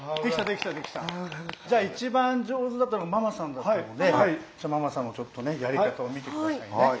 じゃあ一番上手だったのはママさんだったのでママさんのちょっとねやり方を見て下さいね。